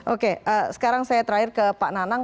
oke sekarang saya terakhir ke pak nanang